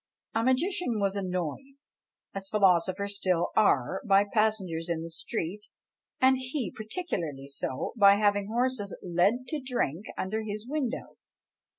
A magician was annoyed, as philosophers still are, by passengers in the street; and he, particularly so, by having horses led to drink under his window.